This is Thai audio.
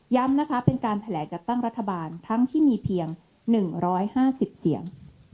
ย้ำนะคะเป็นการแถลงจัดตั้งรัฐบาลทั้งที่มีเพียงหนึ่งร้อยห้าสิบเสียง